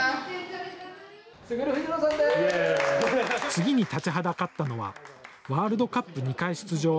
次に立ちはだかったのはワールドカップ２回出場